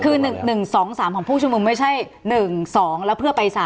คือ๑๒๓ของผู้ชุมนุมไม่ใช่๑๒แล้วเพื่อไป๓